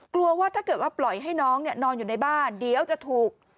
กลัวว่าถ้าเกิดว่าปล่อยให้น้องนอนอยู่ในบ้านเดี๋ยวจะถูก